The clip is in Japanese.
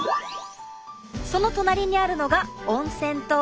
その隣にあるのが温泉棟。